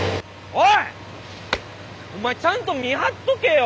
お前ちゃんと見張っとけよ！